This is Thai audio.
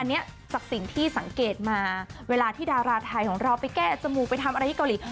อันนี้จากสิ่งที่สังเกตมาเวลาที่ดาราไทยของเราไปแก้จมูกไปทำอะไรที่เกาหลี